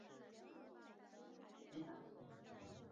一些学者在阿拉伯南部的一些铭文中确定卡伊斯的事迹。